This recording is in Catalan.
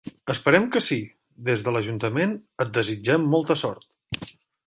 Esperem que sí, des de l'ajuntament et desitgem molta sort.